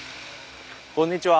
こんにちは。